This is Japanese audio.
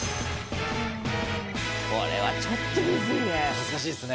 これはちょっとムズいね。